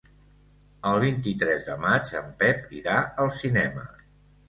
El vint-i-tres de maig en Pep irà al cinema.